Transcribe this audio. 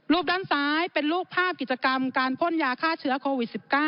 ด้านซ้ายเป็นรูปภาพกิจกรรมการพ่นยาฆ่าเชื้อโควิด๑๙